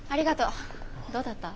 どうだった？